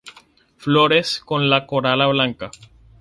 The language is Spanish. Flores con la corola blanca.